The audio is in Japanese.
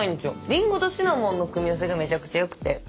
リンゴのシナモンの組み合わせがめちゃくちゃ良くて。